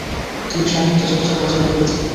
তিনি সাহিত্যচর্চা বজায় রেখেছেন।